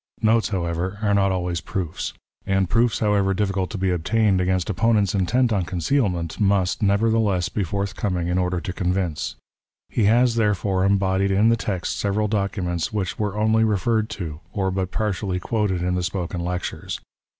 Notes, however, are not always proofs ; and proofs however difficult to be obtained against oppo nents intent on concealment, must, nevertheless, be forthcoming in order to convince. He has, therefore, embodied in the text several documents which were only referred to, or but partially quoted in the spoken lectures.